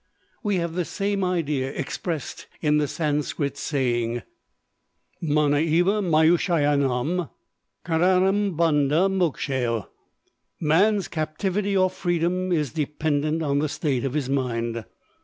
We have this same idea expressed in the Sanskrit saying, Mana êva Manushayanâm Kâranam Bandha Mokshayoh man's captivity or freedom is dependant on the state of his mind.